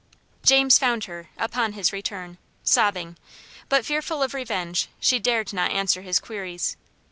James found her, upon his return, sobbing; but fearful of revenge, she dared not answer his queries.